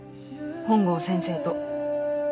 本郷先生と。